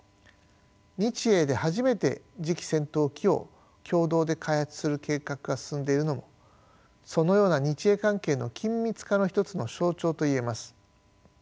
日英で初めて次期戦闘機を共同で開発する計画が進んでいるのもそのような日英関係の緊密化の一つの象徴と言えます。